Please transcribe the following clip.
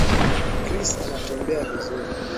Chris anatembea vizuri